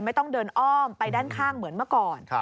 ไม่ต้องเดินอ้อมไปด้านข้างเหมือนเมื่อก่อน